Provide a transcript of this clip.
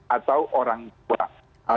atau orang tua